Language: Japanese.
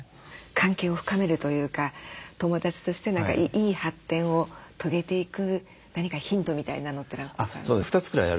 関係を深めるというか友だちとしていい発展を遂げていく何かヒントみたいなのってのはございますか？